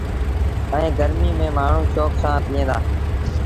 ائيٚݩ گرميٚ ميݩ مآڻهوٚٚݩ شوڪ سآݩ پئيٚن دآ۔